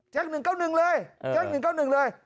แจ๊ค๑๙๑เลยแจ๊ค๑๙๑เลย